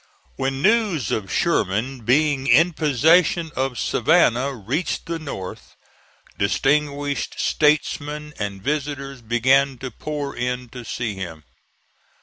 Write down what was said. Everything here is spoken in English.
When news of Sherman being in possession of Savannah reached the North, distinguished statesmen and visitors began to pour in to see him.